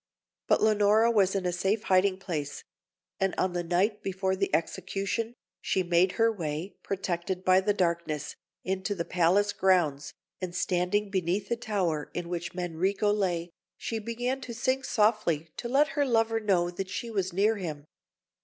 But Leonora was in a safe hiding place; and on the night before the execution, she made her way, protected by the darkness, into the palace grounds, and standing beneath the tower in which Manrico lay, she began to sing softly to let her lover know that she was near him.